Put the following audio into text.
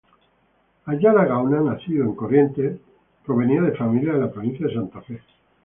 Ayala Gauna, nacido en Corrientes, provenía de familia de la provincia de Santa Fe.